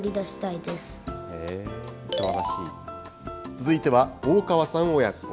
続いては大川さん親子。